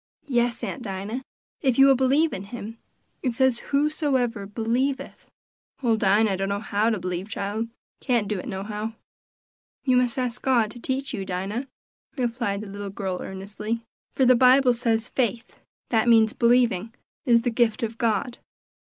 "Yes, Aunt Dinah, if you will believe in him; it says for whosoever believeth." "Ole Dinah dunno how to believe, chile; can't do it nohow." "You must ask God to teach you, Dinah," replied the little girl earnestly, "for the Bible says 'faith' that means believing 'is the gift of God.'"